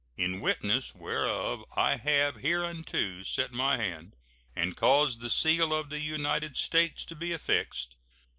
In witness whereof I have hereunto set my hand and caused the seal of the United States to be affixed.